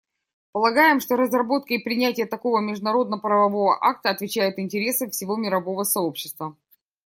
Полагаем, что разработка и принятие такого международно-правового акта отвечает интересам всего мирового сообщества.